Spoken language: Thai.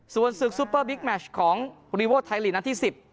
ส่วนศึกซุปเปอร์บิ๊กแมชของรีวอร์ดไทยหลีนัทที่๑๐